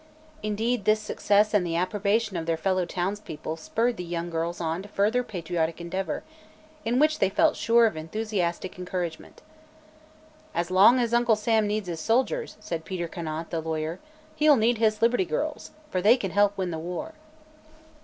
Indeed, this success and the approbation of their fellow townspeople spurred the young girls on to further patriotic endeavor, in which they felt sure of enthusiastic encouragement. "As long as Uncle Sam needs his soldiers," said Peter Conant, the lawyer, "he'll need his Liberty Girls, for they can help win the war."